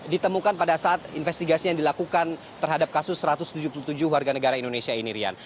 ditemukan pada saat investigasi yang dilakukan terhadap kasus satu ratus tujuh puluh tujuh warga negara indonesia ini rian